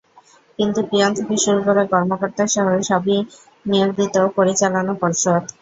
কিন্তু পিয়ন থেকে শুরু করে কর্মকর্তাসহ সবই নিয়োগ দিত পরিচালনা পর্ষদ।